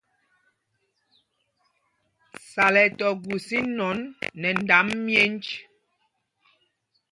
Sal ɛ tɔ gus inɔn nɛ ndam myēnj.